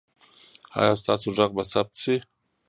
ایا ستاسو غږ به ثبت شي؟